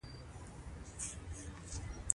پاچاهانو او شهزادګانو په ګټه را څرخېدل.